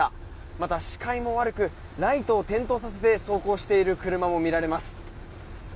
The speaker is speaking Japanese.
また、視界も悪くライトを点灯させて走行している車も見られます。